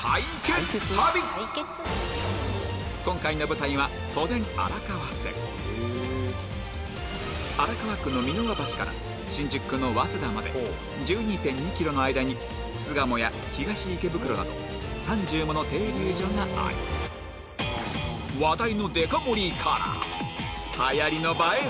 今回の舞台は荒川区の三ノ輪橋から新宿区の早稲田まで１２．２ｋｍの間に巣鴨や東池袋など３０もの停留所があり話題のデカ盛りからはやりの映え